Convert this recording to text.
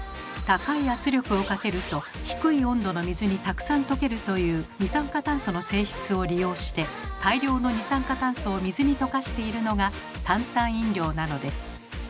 高い圧力をかけると低い温度の水にたくさん溶けるという二酸化炭素の性質を利用して大量の二酸化炭素を水に溶かしているのが炭酸飲料なのです。